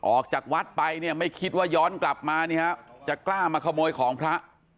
ออกจากวัดไปเนี่ยไม่คิดว่าย้อนกลับมานี่ฮะจะกล้ามาขโมยของพระ